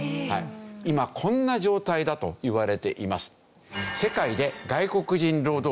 今こんな状態だといわれています。